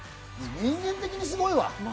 人間的にすごいわ。